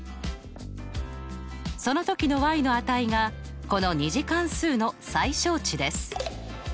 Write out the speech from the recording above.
そのときのの値がこの２次関数の最小値です。